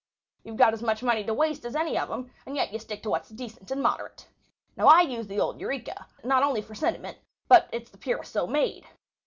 You've got as much money to waste as any of 'em, and yet you stick to what's decent and moderate. Now I use the old Eureka—not only for sentiment, but it's the purest soap made.